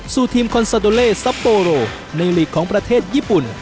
สู่ทีมคอนซาโดเลซัปโปโรในหลีกของประเทศญี่ปุ่น